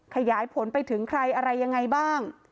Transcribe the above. ขยายผลไปถึงใครอะไรยังไงบ้าง